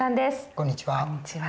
こんにちは。